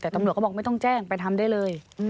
แต่ตำรวจเขาบอกไม่ต้องแจ้งไปทำได้เลย